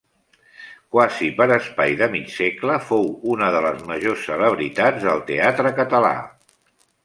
Quasi per espai de mig segle fou una de les majors celebritats del Teatre Català.